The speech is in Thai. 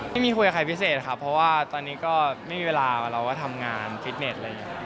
ไม่มีคุยกับใครพิเศษครับเพราะว่าตอนนี้ก็ไม่มีเวลาเราก็ทำงานฟิตเน็ตอะไรอย่างนี้